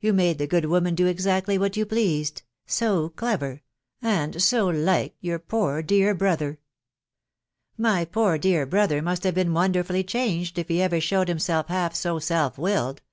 You made the good woman da exactly what you pleased. ... So clever, .,.. and bo like your poor dear brother !...."" My poor dear brother must have been wonderfully changed if he ever showed himself half so self willed